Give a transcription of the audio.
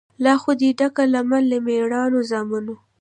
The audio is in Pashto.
لا خو دي ډکه ده لمن له مېړنو زامنو